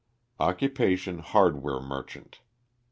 Occupa tion hardware merchant.